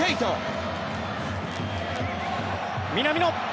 南野